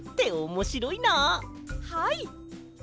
はい。